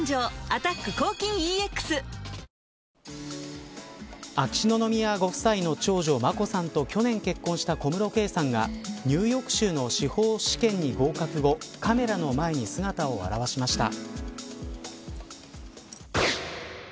「アタック抗菌ＥＸ」秋篠宮ご夫妻の長女眞子さんと去年結婚した小室圭さんがニューヨーク州の司法試験に合格後カメラの前に姿を現しました。